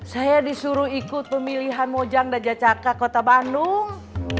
saya disuruh ikut pemilihan mojang dan jacaka kota bandung